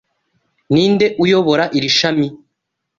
Ninde uyobora iri shami?